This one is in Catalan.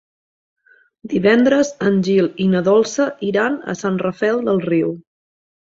Divendres en Gil i na Dolça iran a Sant Rafel del Riu.